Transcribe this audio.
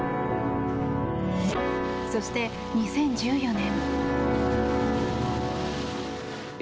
そして、２０１４年。